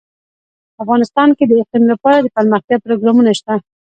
افغانستان کې د اقلیم لپاره دپرمختیا پروګرامونه شته.